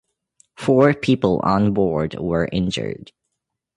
Four people on-board were injured.